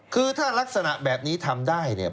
คือถ้ารักษณะแบบนี้ทำได้เนี่ย